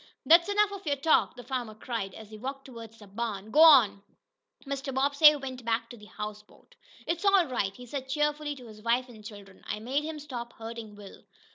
"That's enough of your talk!" the farmer cried as he walked toward the barn. "Go on!" Mr. Bobbsey went back to the houseboat. "It's all right," he said cheerfully to his wife and children. "I made him stop hurting Will."